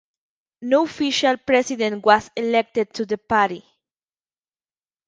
No official president was elected to the party.